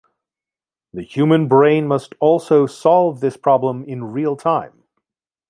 The human brain must also solve this problem in real time.